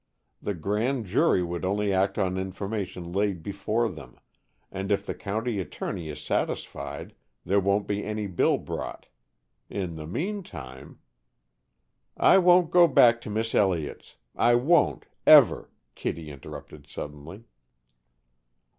The Grand Jury would only act on information laid before them, and if the county attorney is satisfied, there won't be any bill brought. In the meantime, " "I won't go back to Miss Elliott's. I won't ever," Kittie interrupted suddenly.